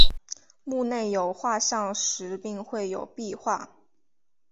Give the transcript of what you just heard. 墓内有画像石并绘有壁画。